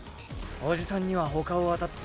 おじさんには他をあたってもらう。